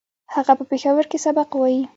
هغه په پېښور کې سبق وايي